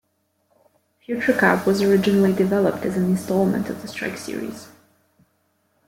"Future Cop" was originally developed as an installment of the "Strike" series.